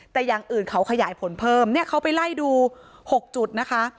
แต่อย่างอื่นเขาขยายผลเพิ่มเนี่ยเขาไปไล่ดู๖จุดนะคะ